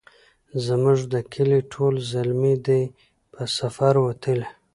زموږ د کلې ټول زلمي دی په سفر وتلي